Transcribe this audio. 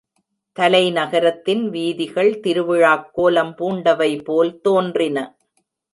தலைநகரத்தின் வீதிகள் திருவிழாக்கோலம் பூண்டவைபோல் தோன்றின.